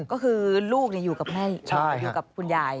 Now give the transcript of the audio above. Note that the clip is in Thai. ก็คือลูกอยู่กับคุณยาย